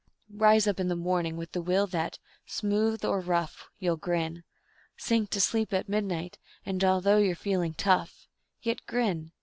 Rise up in the morning with the will that, smooth or rough, You'll grin. Sink to sleep at midnight, and although you're feeling tough, Yet grin.